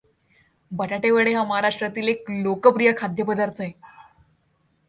बटाटेवडा हा महाराष्ट्रातील एक लोकप्रिय खाद्यपदार्थ आहे.